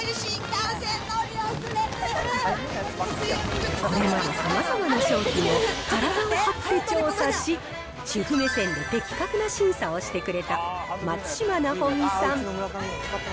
もう、これまでさまざまな商品を体を張って調査し、主婦目線で的確な審査をしてくれた松嶋尚美さん。